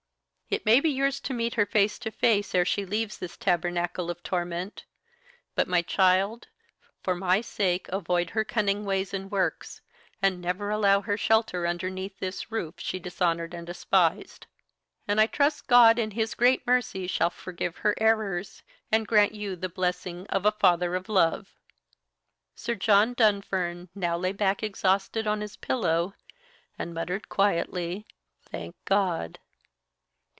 "It may be yours to meet her face to face ere she leave this tabernacle of torment; but, my child, for my sake avoid her cunning ways and works, and never allow her shelter underneath this roof she dishonoured and despised. And I trust God in His great mercy shall forgive her errors, and grant you the blessing of a Father of Love." Sir John Dunfern now lay back exhausted on his pillow, and muttered quietly "Thank God."